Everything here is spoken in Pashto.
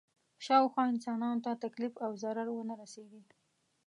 شاوخوا انسانانو ته تکلیف او ضرر ونه رسېږي.